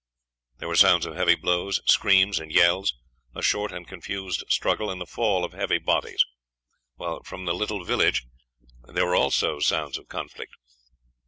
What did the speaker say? There were sounds of heavy blows, screams and yells, a short and confused struggle, and the fall of heavy bodies, while from the little village there were also sounds of conflict.